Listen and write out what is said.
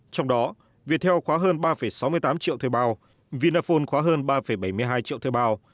trong đó viettel khóa hơn ba sáu mươi tám triệu thuê bao vinaphone khóa hơn ba bảy mươi hai triệu thuê bao